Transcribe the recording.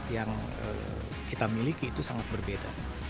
yang kita miliki itu sangat berbeda